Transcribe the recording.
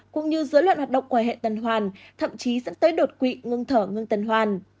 cũng như dối loạn hoạt động của hệ tần hoàn thậm chí dẫn tới đột quỵ ngưng thở ngưng hoàn